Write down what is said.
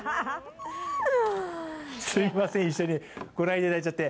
すいません、一緒にご覧いただいちゃって。